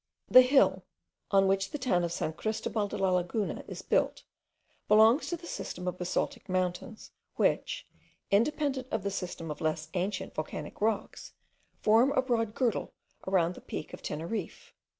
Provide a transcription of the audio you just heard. The hill, on which the town of San Christobal de la Laguna is built, belongs to the system of basaltic mountains, which, independent of the system of less ancient volcanic rocks, form a broad girdle around the peak of Teneriffe.